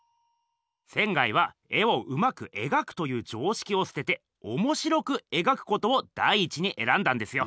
仙は絵をうまくえがくという常識をすてておもしろくえがくことを第一にえらんだんですよ。